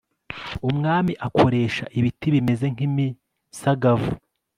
Umwami akoresha ibiti bimeze nk imisagavu